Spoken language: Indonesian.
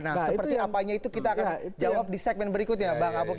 nah seperti apanya itu kita akan jawab di segmen berikutnya bang abok